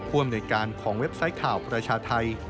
อำนวยการของเว็บไซต์ข่าวประชาไทย